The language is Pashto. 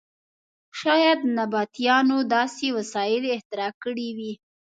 شاید نبطیانو داسې وسایل اختراع کړي وي.